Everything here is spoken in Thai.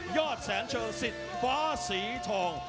ยอดแสนเชอร์สิทธิ์ฟ้าสีทอง